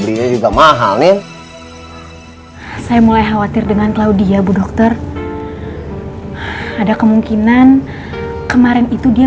belinya juga mahal ya saya mulai khawatir dengan claudia bu dokter ada kemungkinan kemarin itu dia